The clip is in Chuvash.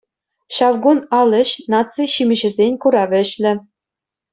Ҫав кун алӗҫ, наци ҫимӗҫӗсен куравӗ ӗҫлӗ.